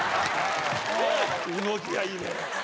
動きがいいねえ。